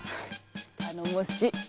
頼もしい！